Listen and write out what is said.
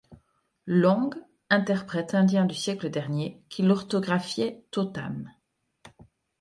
Long, interprète indien du siècle dernier, qui l’orthographiait totam.